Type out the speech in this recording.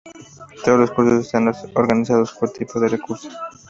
Todos los cursos están organizados por tipo de curso.